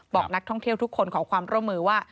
บอกนักท่องเที่ยวทุกคนขอความร่วมมือว่า